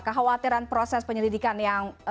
kekhawatiran proses penyelidikan yang terlalu ribet